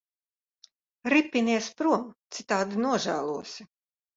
Ripinies prom, citādi nožēlosi.